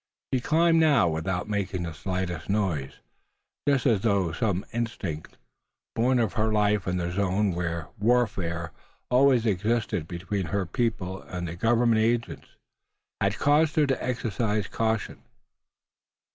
She climbed now without making the slightest noise; just as though some instinct, born of her life in the zone where warfare always existed between her people and the Government agents, had caused her to exercise caution.